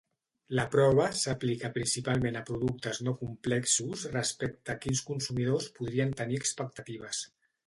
La prova s'aplica principalment a productes no complexos respecte a quins consumidors podrien tenir expectatives.